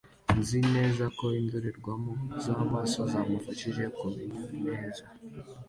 Nzi neza ko indorerwamo z'amaso zamufashije kumenya neza